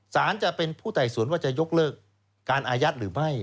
สารจะเป็นผู้ไต่สวนว่าจะยกเลิกการอายัดหรือไม่